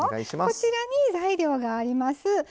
こちらに材料があります。